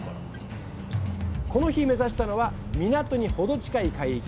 この日目指したのは港に程近い海域。